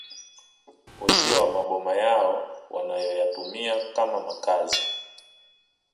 Uzio wa maboma yao wanayoyatumia kama makazi